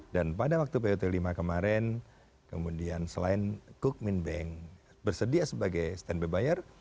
dan pada waktu put lima kemarin kemudian selain cookminbank bersedia sebagai standby buyer